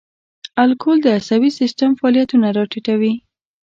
الکول د عصبي سیستم فعالیتونه را ټیټوي.